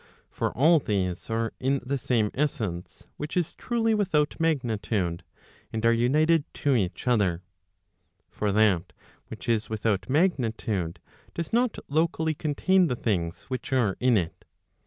For all these are in the same essence, which is truly without magnitude,* and are united to each other. For that which is without magnitude, does not locally contain the things which are in it, but the 1 afuydu it omitted in the original.